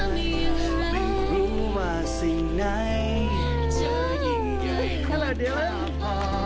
ไม่รู้ว่าสิ่งไหนจะยังไงควรข้าพอ